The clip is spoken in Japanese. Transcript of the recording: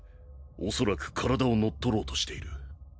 恐らく体を乗っ取ろうとしている。